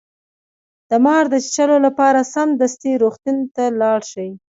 د مار د چیچلو لپاره سمدستي روغتون ته لاړ شئ